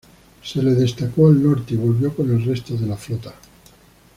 Se le destacó al norte y volvió con el resto de la flota.